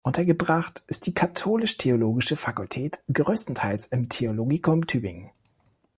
Untergebracht ist die Katholisch-Theologische Fakultät größtenteils im Theologicum Tübingen.